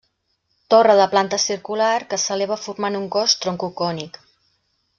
Torre de planta circular que s'eleva formant un cos troncocònic.